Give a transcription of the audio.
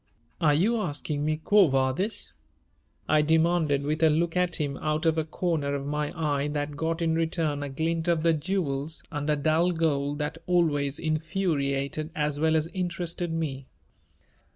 "Are you asking me quo vadis?" I demanded, with a look at him out of a corner of my eye that got in return a glint of the jewels under dull gold that always infuriated as well as interested me.